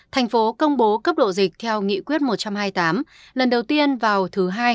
thành phố công bố cấp độ dịch theo nghị quyết một trăm hai mươi tám lần đầu tiên vào thứ hai